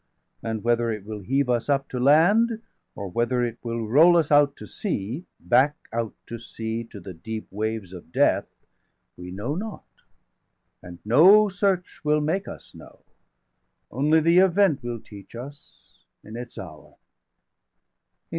And whether it will heave us up to land, Or whether it will roll us out to sea, Back out to sea, to the deep waves of death, 395 We know not, and no search will make us know; Only the event will teach us in its hour."